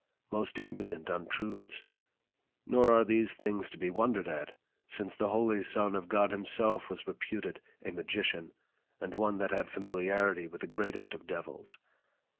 Most impudent Untruths! nor are these things to be wondered at, since the Holy Son of God himself was reputed a Magician, and one that had Familiarity with the greatest of Devils.